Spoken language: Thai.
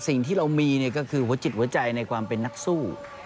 สิ่งที่เรามีก็คือหัวจิตหัวใจในความเป็นนักสู้